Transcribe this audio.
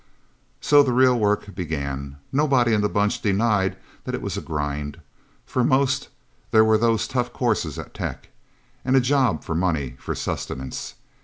So the real work began. Nobody in the Bunch denied that it was a grind. For most, there were those tough courses at Tech. And a job, for money, for sustenance.